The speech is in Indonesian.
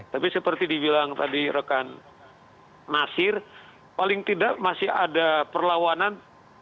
tapi seperti dibilang tadi rekan nasir paling tidak masih ada perlawanan